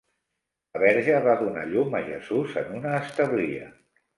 La Verge va donar llum a Jesús en una establia.